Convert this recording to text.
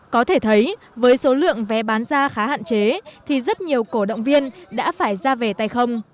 có thể thấy với số lượng vé bán ra khá hạn chế thì rất nhiều cổ động viên đã phải ra về tay không